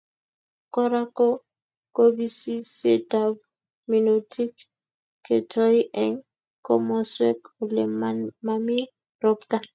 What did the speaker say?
Kora ko kobisisietab minutik ketoi eng komoswek olemami ropta